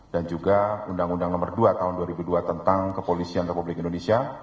dan juga undang undang nomor dua tahun dua ribu dua tentang kepolisian republik indonesia